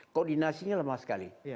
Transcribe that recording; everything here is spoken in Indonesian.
koordinasinya lemah sekali